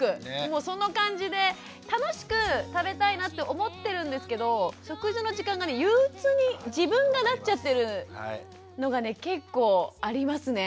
もうその感じで楽しく食べたいなって思ってるんですけど食事の時間が憂鬱に自分がなっちゃってるのがね結構ありますね。